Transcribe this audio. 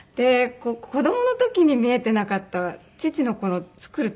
子どもの時に見えてなかった父のこの作る。